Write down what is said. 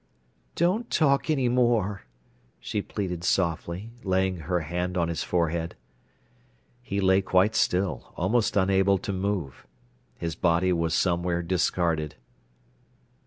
"Don't talk any more," she pleaded softly, laying her hand on his forehead. He lay quite still, almost unable to move. His body was somewhere discarded.